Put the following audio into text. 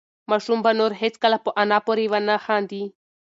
ماشوم به نور هېڅکله په انا پورې ونه خاندي.